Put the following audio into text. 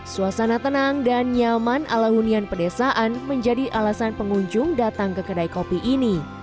suasana tenang dan nyaman ala hunian pedesaan menjadi alasan pengunjung datang ke kedai kopi ini